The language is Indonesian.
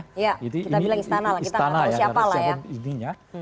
kita bilang istana lah kita tahu siapa lah ya